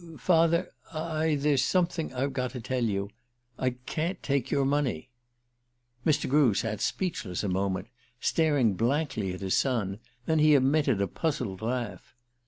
"Father I there's something I've got to tell you. I can't take your money." Mr. Grew sat speechless a moment, staring blankly at his son; then he emitted a puzzled laugh.